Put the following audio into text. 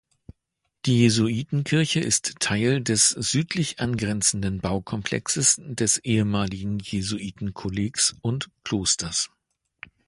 Die Jesuitenkirche ist Teil des südlich angrenzenden Baukomplexes des ehemaligen Jesuitenkollegs und -klosters.